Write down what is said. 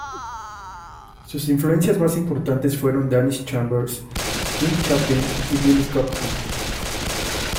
Sus influencias más importantes fueron Dennis Chambers, Jim Chapin y Billy Cobham.